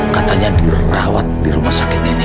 katanya dirawat di rumah sakit ini